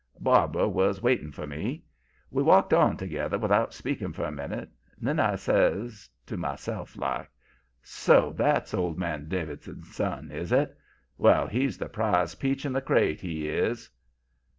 "Barbara was waiting for me. We walked on together without speaking for a minute. Then I says, to myself like: 'So that's old man Davidson's son, is it? Well, he's the prize peach in the crate, he is!'